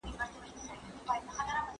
خلک باید د ژوند ستونزې د خداي له لوري وګڼي.